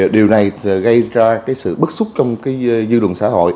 điều này gây ra sự bất xúc trong dư luận xã hội